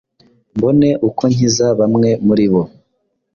mbone uko nkiza bamwe muri bo.